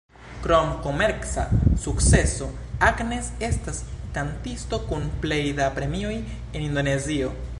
Krom komerca sukceso, Agnes estas kantisto kun plej da premioj en Indonezio.